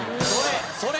それ。